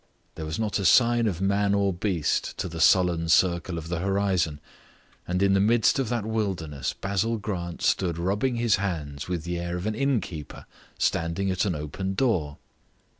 There was not a sign of man or beast to the sullen circle of the horizon, and in the midst of that wilderness Basil Grant stood rubbing his hands with the air of an innkeeper standing at an open door.